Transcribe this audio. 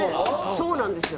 そうなんですよ